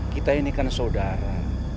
kita inikan sindanmu